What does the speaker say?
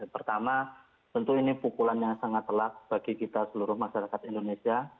pertama tentu ini pukulan yang sangat telak bagi kita seluruh masyarakat indonesia